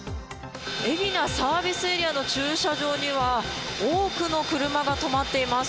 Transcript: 海老名サービスエリアの駐車場には、多くの車が止まっています。